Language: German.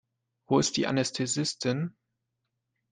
Wo ist die Anästhesistin?